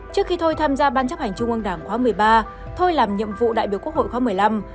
trước khi thôi tham gia ban chấp hành trung ương đảng khóa một mươi ba thôi làm nhiệm vụ đại biểu quốc hội khóa một mươi năm